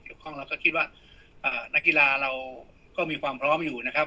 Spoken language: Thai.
ข้องเราก็คิดว่านักกีฬาเราก็มีความพร้อมอยู่นะครับ